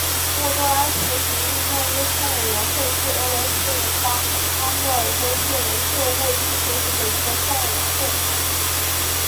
沃多拉兹杰利诺耶村委员会是俄罗斯联邦阿穆尔州谢雷舍沃区所属的一个村委员会。